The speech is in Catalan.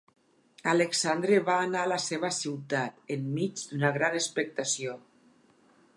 Alexandre va anar a la seva ciutat enmig d'una gran expectació.